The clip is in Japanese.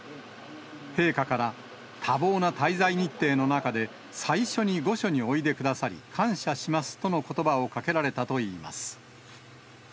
陛下から、多忙な滞在日程の中で、最初に御所においでくださり、感謝しますとのことばをかけられたといいます。